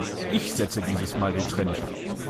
Ich setze dieses Mal den Trend.